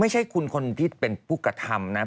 ไม่ใช่คุณคนที่เป็นภูกภัณฑ์นะ